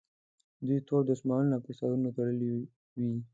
دوی تور دستمالونه پر سرونو تړلي وي.